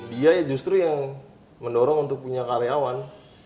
dia ya justru yang mendorong untuk punya karyawan